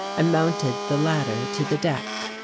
I mounted the ladder to the deck.